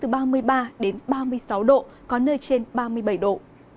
phổ biến từ ba mươi ba ba mươi sáu độ có nơi trên ba mươi bảy độ